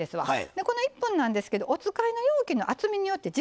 でこの１分なんですけどお使いの容器の厚みによって時間が変わります。